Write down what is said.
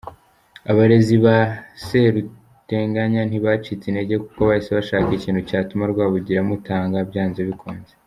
Abarezi ba Seruteganya ntibacitse intege kuko bahise bashaka ikintu cyatuma Rwabugili amutanga byanze bikunze.